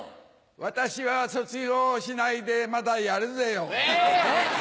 私は卒業しないでまだやるぜよ。